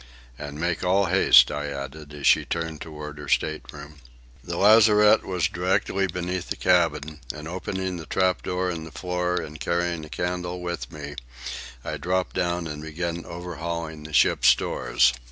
"And make all haste," I added, as she turned toward her state room. The lazarette was directly beneath the cabin, and, opening the trap door in the floor and carrying a candle with me, I dropped down and began overhauling the ship's stores.